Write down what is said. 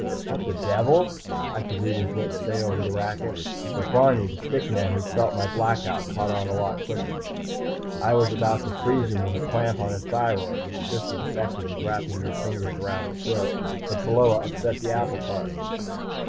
"What the devil!" I could read his lips say over the racket. But Barney, the stick man who'd felt my Blackout, caught on a lot quicker. I was about to freeze him with a clamp on his thyroid. It's just as effective as wrapping your fingers around the throat. But Pheola upset the apple cart.